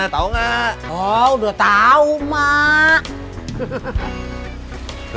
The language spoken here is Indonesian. udah tahu enggak oh udah tahu mak